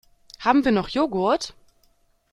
Haben wir noch Joghurt?